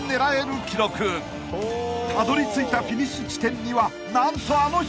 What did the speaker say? ［たどりついたフィニッシュ地点には何と］